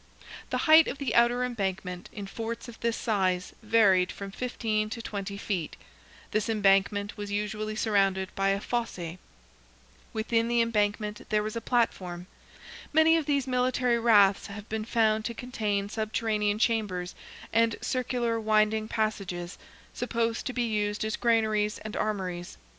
The height of the outer embankment in forts of this size varied from fifteen to twenty feet; this embankment was usually surrounded by a fosse; within the embankment there was a platform, depressed so as to leave a circular parapet above its level. Many of these military raths have been found to contain subterranean chambers and circular winding passages, supposed to be used as granaries and armories.